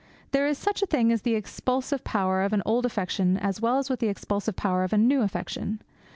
There is such a thing as the expulsive power of an old affection as well as the expulsive power of a new affection.